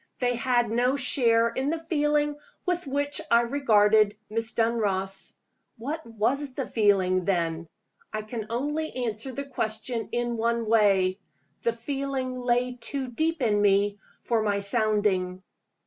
They had no share in the feeling with which I regarded Miss Dunross. What was the feeling, then? I can only answer the question in one way. The feeling lay too deep in me for my sounding.